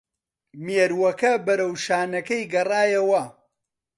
مێرووەکەی بەرەو شانەکەی گەڕایەوە